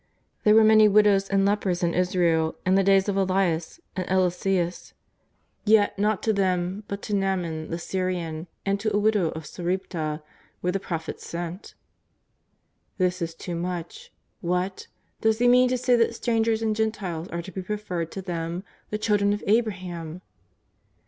There were many widows and lepers in Israel in the days of Elias and Eliseus, yet not to them but to Xaaman the Syrian and to a widow of Sarepta were the Prophets sent.''* This is too much. What ! does He mean to say that strangers and Gentiles are to be preferred to them, the children of Abraham